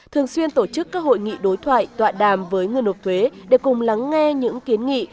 thường xuyên tổ chức các hội nghị đối thoại tọa đàm với người nộp thuế để cùng lắng nghe những kiến nghị